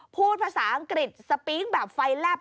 พูดภาษาอังกฤษสปีกแบบไฟแลบ